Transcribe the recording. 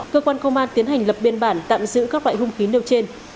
cơ quan công an tiến hành lập biên bản tạm giữ các loại hung khí nêu trên